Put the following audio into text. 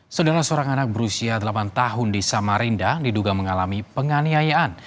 saudara seorang anak berusia delapan tahun di samarinda diduga mengalami penganiayaan